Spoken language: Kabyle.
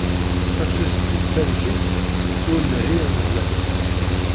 Taflest d talkint ur neɛi anzaten.